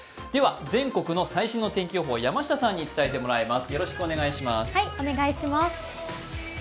全国の最新の天気予報、山下さんに伝えてもらいます。